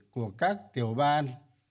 của các tiểu ban